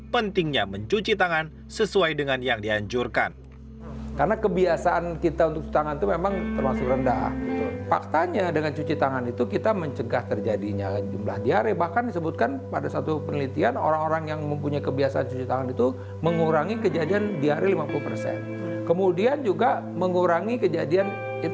pentingnya mencuci tangan sesuai dengan yang dianjurkan